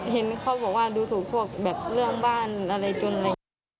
เห็นเขาบอกว่าดูถูกพวกแบบเรื่องบ้านอะไรจนอะไรอย่างนี้